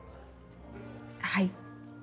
はい。